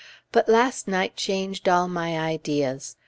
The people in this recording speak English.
But last night changed all my ideas.